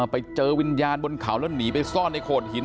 ไปเจอวิญญาณบนเขาแล้วหนีไปซ่อนในโขดหิน